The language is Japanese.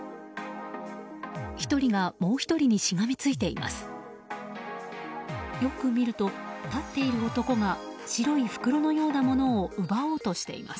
１人がもう１人にしがみついています。